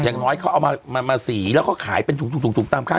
อย่างน้อยเขาเอามาสีแล้วก็ขายเป็นถุงตามค่า